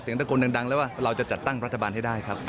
ตะโกนดังแล้วว่าเราจะจัดตั้งรัฐบาลให้ได้ครับ